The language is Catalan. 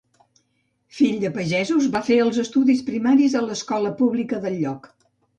Fill de pagesos, va fer els estudis primaris a l'escola pública del lloc.